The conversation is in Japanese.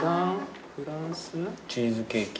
チーズケーキ。